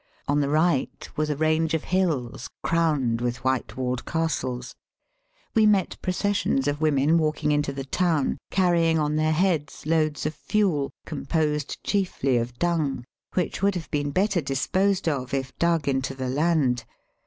On the right was a range of hills crowned with white walled castles. We met processions of women walk ing into the town carrying on their heada loads of fuel, composed chiefly of dung, which would have been better disposed of if dug into the land.